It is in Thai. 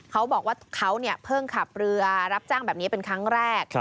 เขาบอกว่าเขาเพิ่งขับเรือรับจ้างแบบนี้เป็นครั้งแรก